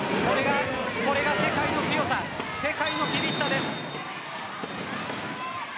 これが世界の強さ世界の厳しさです。